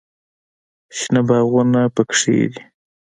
شنه باغونه پکښې دي.